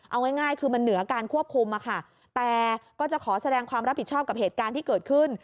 เอาง่ายคือมันเหนือการควบคุมอะค่ะแต่ก็จะขอแสดงความรับผิดชอบกับเหตุการณ์ที่เกิดขึ้น